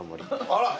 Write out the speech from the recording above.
あら。